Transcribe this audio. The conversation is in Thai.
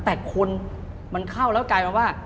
แต่คนมันเข้าแล้วกลายเป็นว่า